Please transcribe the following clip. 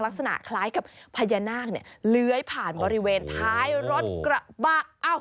ลักษณะคล้ายกับพญานาคเนี่ยเลื้อยผ่านบริเวณท้ายรถกระบะ